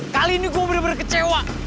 kali ini gue bener bener kecewa